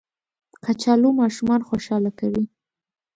کچالو ماشومان خوشحاله کوي